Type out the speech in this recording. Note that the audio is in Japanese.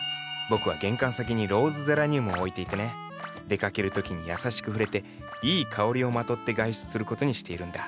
僕は玄関先にローズゼラニウムを置いていてね出かける時に優しく触れていい香りをまとって外出する事にしているんだ。